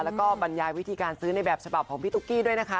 แล้วก็บรรยายวิธีการซื้อในแบบฉบับของพี่ตุ๊กกี้ด้วยนะคะ